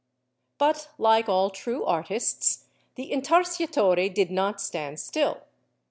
But like all true artists the Intarsiatore did not stand still.